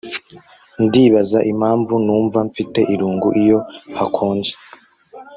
Ndibaza impamvu numva mfite irungu iyo hakonje